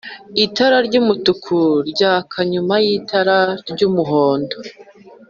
itara ry’umutuku ryaka nyuma y’itara ry’umuhondo